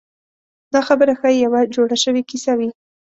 دا خبره ښایي یوه جوړه شوې کیسه وي.